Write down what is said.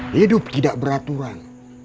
hidup tidak beraturan